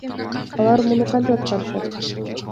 Алар муну кантип аткарышат?